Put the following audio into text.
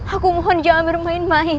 aku mohon jangan bermain main